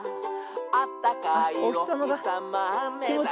「あったかいおひさまめざして」